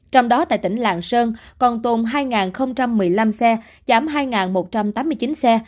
trong đó tại tỉnh lạng sơn còn tồn hai một mươi năm xe giảm hai một trăm tám mươi chín xe